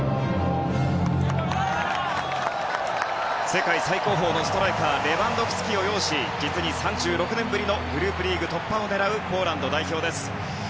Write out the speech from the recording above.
世界最高峰のストライカーレバンドフスキを擁しグループリーグ突破を狙うポーランド代表です。